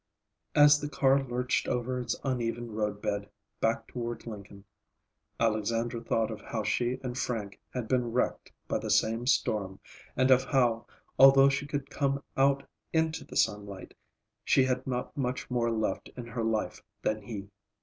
As the car lurched over its uneven roadbed, back toward Lincoln, Alexandra thought of how she and Frank had been wrecked by the same storm and of how, although she could come out into the sunlight, she had not much more left in her life than he.